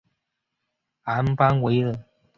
昂邦维尔。